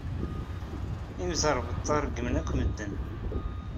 Imẓerbeḍḍa reggmen akk medden.